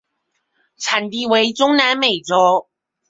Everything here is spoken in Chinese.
产地为中南美洲。